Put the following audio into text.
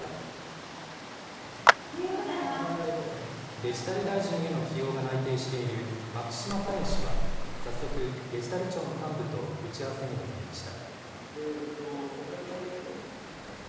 デジタル大臣への起用が内定している牧島かれん氏は、早速、デジタル庁の幹部と打ち合わせに臨みました。